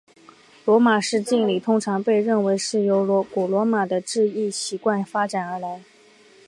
罗马式敬礼通常被认为是由古罗马的致意习惯发展而来。